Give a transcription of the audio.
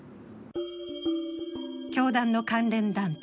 教団の関連団体